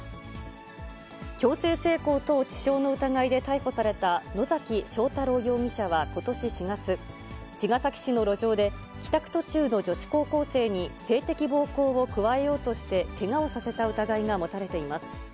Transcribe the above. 強制性交等致傷の疑いで逮捕された野崎彰太朗容疑者はことし４月、茅ヶ崎市の路上で、帰宅途中の女子高校生に性的暴行を加えようとして、けがをさせた疑いが持たれています。